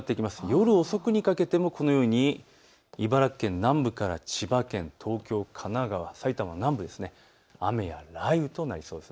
夜遅くにかけてもこのように茨城県南部から千葉県、東京、神奈川、埼玉の南部、雨や雷雨となりそうです。